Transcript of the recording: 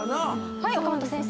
はい岡本先生。